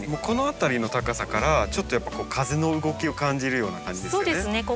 この辺りの高さからちょっと風の動きを感じるような感じですよね。